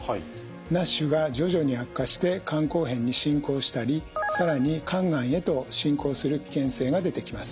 ＮＡＳＨが徐々に悪化して肝硬変に進行したり更に肝がんへと進行する危険性が出てきます。